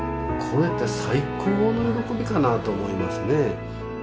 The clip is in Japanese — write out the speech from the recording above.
これって最高の喜びかなと思いますね。